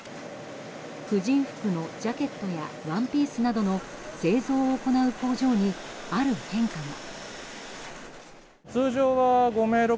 婦人服のジャケットやワンピースなどの製造を行う工場にある変化が。